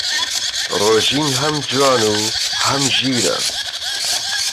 ڕۆژین هەم جوان و هەم ژیرە.